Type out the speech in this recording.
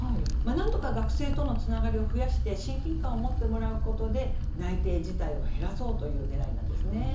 なんとか学生とのつながりを増やして親近感を持ってもらうことで内定辞退を減らそうというねらいなんですね。